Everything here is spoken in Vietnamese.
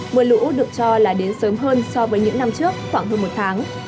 mưa lũ được cho là đến sớm hơn so với những năm trước khoảng hơn một tháng